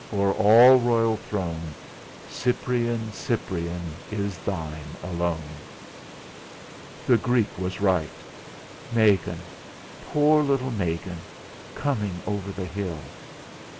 O'er all a royal throne, Cyprian, Cyprian, is thine alone!" The Greek was right! Megan! Poor little Megan coming over the hill!